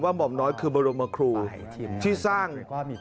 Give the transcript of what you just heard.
หม่อมน้อยคือบรมครูที่สร้าง